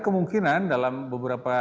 kemungkinan dalam beberapa